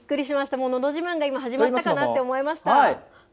もうのど自慢が今、始まったかなと思いました。